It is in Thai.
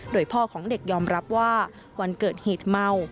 โดยพ่อของเด็กยอมรับว่าวันเกิดเหตุเมา